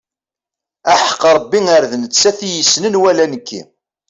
Aḥeqq Rebbi ar d nettat i yessnen wala nekki.